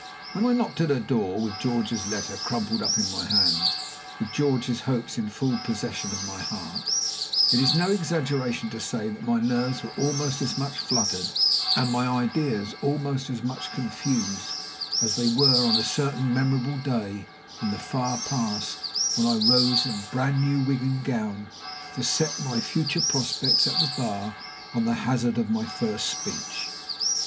When I knocked at her door, with George's letter crumpled up in my hand, with George's hopes in full possession of my heart, it is no exaggeration to say that my nerves were almost as much fluttered, and my ideas almost as much confused, as they were on a certain memorable day in the far past, when I rose, in brand new wig and gown, to set my future prospects at the bar on the hazard of my first speech.